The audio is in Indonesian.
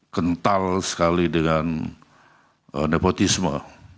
kental sekali dengan nepotisme